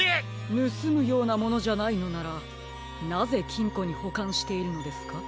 ぬすむようなものじゃないのならなぜきんこにほかんしているのですか？